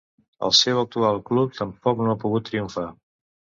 Al seu actual club tampoc no ha pogut triomfar.